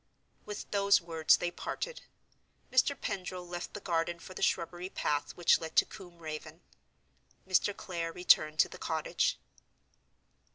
With those words they parted. Mr. Pendril left the garden for the shrubbery path which led to Combe Raven. Mr. Clare returned to the cottage.